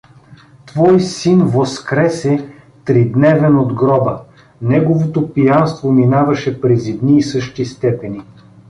Твой син воскресе, тридневен от гроба… Неговото пиянство минаваше през едни и същи степени.